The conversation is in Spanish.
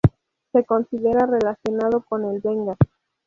Se considera relacionado con el benga.